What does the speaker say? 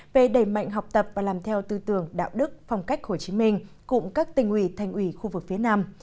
về đẩy mạnh học tập và làm theo tư tưởng đạo đức phong cách hồ chí minh cùng các tình ủy thành ủy khu vực phía nam